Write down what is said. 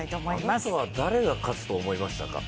あなたは誰が勝つと思いましたか？